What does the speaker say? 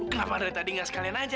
kenapa ada yang tadi gak sekalian aja